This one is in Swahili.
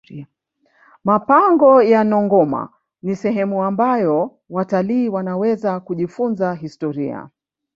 mapango ya nongoma ni sehemu ambayo watalii wanaweza kujifunza historia